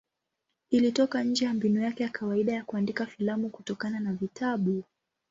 Ilitoka nje ya mbinu yake ya kawaida ya kuandika filamu kutokana na vitabu.